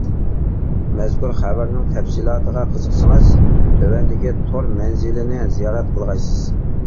مەزكۇر خەۋەرنىڭ تەپسىلاتىغا قىزىقسىڭىز تۆۋەندىكى تور مەنزىلىنى زىيارەت قىلغايسىز!